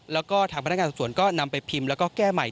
แล้วก็ทางพนักงานสอบสวนก็นำไปพิมพ์แล้วก็แก้ใหม่